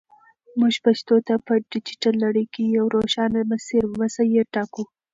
موږ پښتو ته په ډیجیټل نړۍ کې یو روښانه مسیر ټاکو.